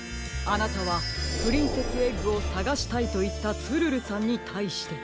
あなたは「プリンセスエッグをさがしたい」といったツルルさんにたいして。